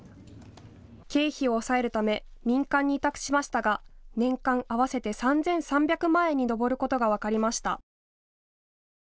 経費を抑えるため民間に委託しましたが年間合わせて３３００万円に上ることが分かりました。